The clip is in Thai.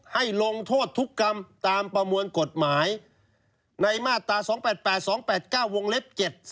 ให้ลงโทษทุกกรรมตามประมวลกฎหมายในมาตรา๒๘๘๒๘๙วงเล็บ๗๒